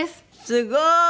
すごーい！